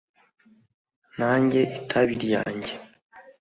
nanjye itabi ryanjye,